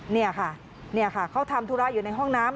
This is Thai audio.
นี่ค่ะนี่ค่ะเขาทำธุระอยู่ในห้องน้ำ